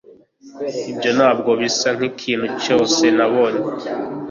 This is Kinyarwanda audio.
Ibyo ntabwo bisa nkikintu cyose nabonye